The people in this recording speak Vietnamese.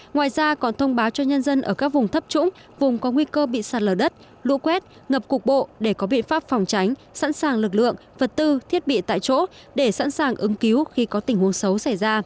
ngoài ra còn thông báo cho nhân dân ở các vùng thấp trũng vùng có nguy cơ bị sạt lở đất lũ quét ngập cục bộ để có biện pháp phòng tránh sẵn sàng lực lượng vật tư thiết bị tại chỗ để sẵn sàng ứng cứu khi có tình huống xấu xảy ra